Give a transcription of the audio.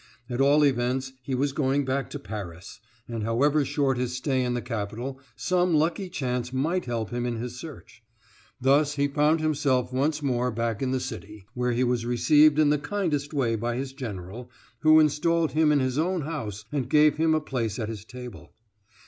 At all events, he was going back to Paris, and however short his stay in the capital, some lucky chance might help him in his search. Thus he found himself once more back in the city, where he was received in the kindest way by his general, who installed him in his own house and gave him a place at his table.